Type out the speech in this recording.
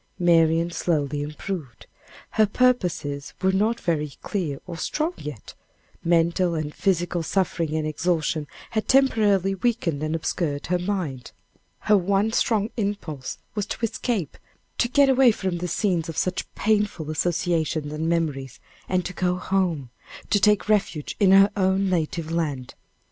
Marian slowly improved. Her purposes were not very clear or strong yet mental and physical suffering and exhaustion had temporarily weakened and obscured her mind. Her one strong impulse was to escape, to get away from the scenes of such painful associations and memories, and to go home, to take refuge in her own native land.